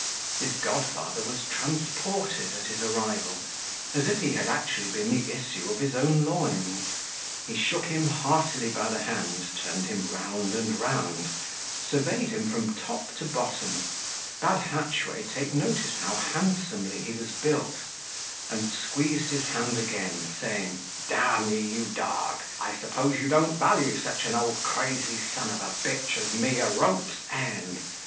His godfather was transported at his arrival, as if he had been actually the issue of his own loins: he shook him heartily by the hand, turned him round and round, surveyed him from top to bottom, bade Hatchway take notice how handsomely he was built; and squeezed his hand again, saying, "D ye, you dog, I suppose you don't value such an old crazy son of a b as me a rope's end.